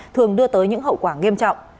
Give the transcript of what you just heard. thường đưa tới những hậu quả nghiêm trọng